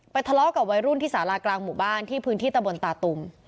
ทะเลาะกับวัยรุ่นที่สารากลางหมู่บ้านที่พื้นที่ตะบนตาตุม